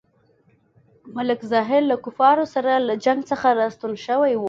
ملک ظاهر له کفارو سره له جنګ څخه راستون شوی وو.